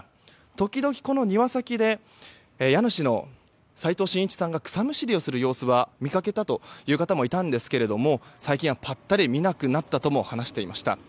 時々、この庭先で家主の齋藤真一さんが草むしりをする様子は見かけたという方もいたんですけれども最近はぱったり見なくなったとも話していました。